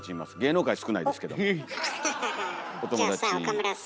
じゃあさ岡村さ。